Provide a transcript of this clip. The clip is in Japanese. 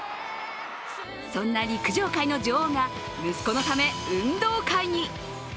そんな陸上界の女王が息子のため運動会に。